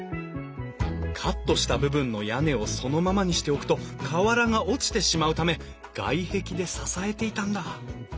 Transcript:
カットした部分の屋根をそのままにしておくと瓦が落ちてしまうため外壁で支えていたんだ。